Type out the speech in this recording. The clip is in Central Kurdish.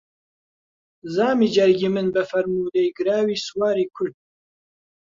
زامی جەرگی من بە فەرموودەی گراوی سواری کورد